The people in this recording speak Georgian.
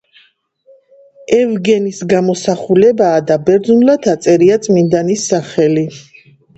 ევგენის გამოსახულებაა და ბერძნულად აწერია წმინდანის სახელი.